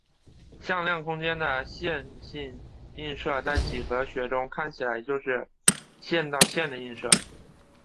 向量空间的线性映射在几何学中看起来就是线到线的映射。